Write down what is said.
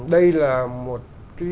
đây là một